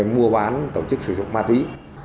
mua bán tổ chức sử dụng ma túy